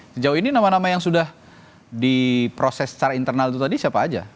sejauh ini nama nama yang sudah diproses secara internal itu tadi siapa aja